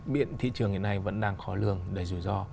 biện thị trường hiện nay vẫn đang khó lường đầy rủi ro